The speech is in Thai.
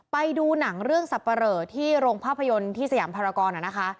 ไปดูหนังเรื่องสับปะเหลอที่โรงภาพยนตร์ที่สยามภารกรนะคะ